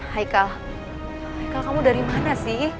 haikal kamu dari mana sih